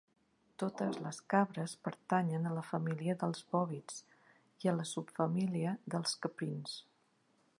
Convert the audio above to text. Totes les cabres pertanyen a la família dels bòvids i a la subfamília dels caprins.